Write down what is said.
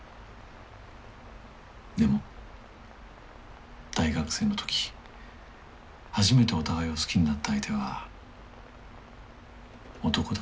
でも大学生の時初めてお互いを好きになった相手は男だった。